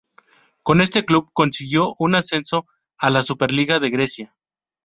Con este club consiguió un ascenso a la Super Liga de Grecia.